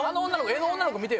絵の女の子見てよ。